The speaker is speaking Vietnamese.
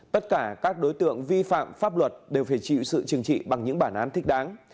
tất cả các đối tượng vi phạm pháp luật đều phải chịu sự chừng trị bằng những bản án thích đáng